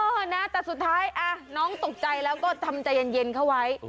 นะแต่สุดท้ายน้องตกใจแล้วก็ทำใจเย็นเข้าไว้